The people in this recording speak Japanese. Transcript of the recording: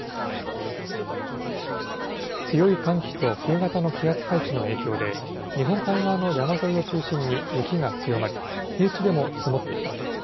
強い寒気と冬型の気圧配置の影響で、日本海側の山沿いを中心に雪が強まり、平地でも積もっています。